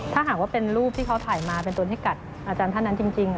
ถ้าหากว่าเป็นรูปที่เขาถ่ายมาเป็นตัวที่กัดอาจารย์ท่านนั้นจริง